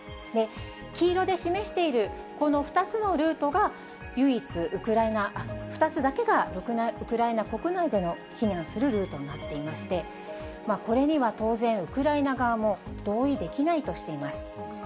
黄色で示しているこの２つのルートが、唯一、２つだけがウクライナ国内で避難するルートになっていまして、これには当然、ウクライナ側も同意できないとしています。